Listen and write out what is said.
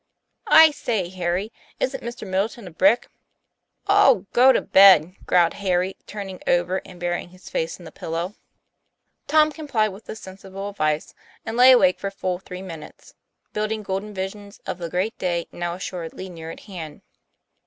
" I say, Harry, isn't Mr. Middleton a brick ?"" Oh, go to bed," growled Harry, turning over and burying his face in the pillow. 94 TOM PLAYFAlR. Tom complied with this sensible advice, and lay awake for full three minutes, building golden visions of the great day now assuredly near at hand.